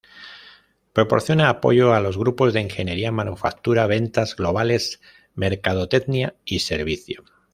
Proporciona apoyo a los grupos de ingeniería, manufactura, ventas globales, mercadotecnia y servicio.